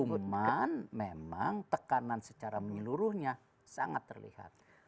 cuman memang tekanan secara menyeluruhnya sangat terlihat